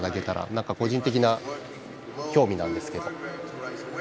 なんか個人的な興味なんですけど。